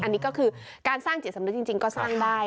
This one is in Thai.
อันนี้ก็คือการสร้างจิตสำนึกจริงก็สร้างได้